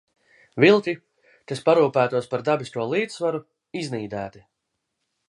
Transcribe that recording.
Vilki, kas parūpētos par dabisko līdzsvaru, iznīdēti.